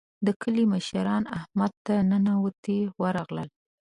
د کلي مشران احمد ته ننواتې ورغلل.